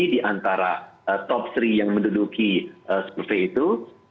di antara top tiga yang menduduki survei itu